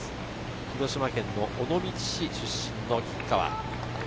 広島県尾道市出身の吉川。